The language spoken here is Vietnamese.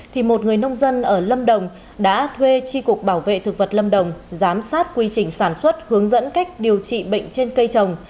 thì một người nông dân ở lâm đồng đã thuê tri cục bảo vệ thực vật lâm đồng giám sát quy trình sản xuất hướng dẫn cách điều trị bệnh trên cây trồng